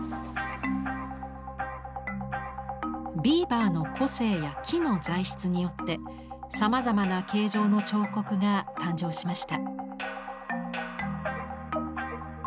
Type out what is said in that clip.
ビーバーの個性や木の材質によってさまざまな形状の彫刻が誕生しました。